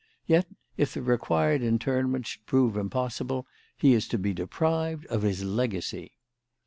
Yet, if the required interment should prove impossible, he is to be deprived of his legacy."